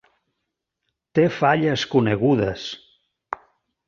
Té falles conegudes.